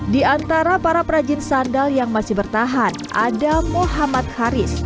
di antara para perajin sandal yang masih bertahan ada muhammad haris